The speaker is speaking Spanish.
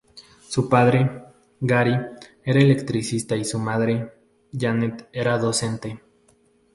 Su padre, Gary, era electricista y su madre, Janet, era docente.